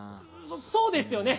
そうですよね！